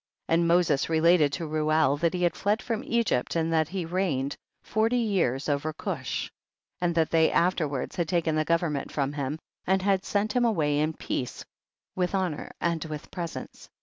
21. And Moses related to Reuel that he had fled from Egypt and that he reigned forty years over Cush, and that they afterward had taken the government from him, and had sent him away in peace with honor and with presents, 22.